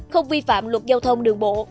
không vi phạm luật giao thông đường bộ